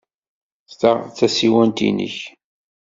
Ta d tasiwant-nnek?